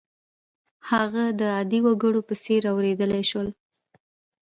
هغه د عادي وګړو په څېر اورېدلای شول.